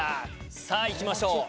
さぁ行きましょう。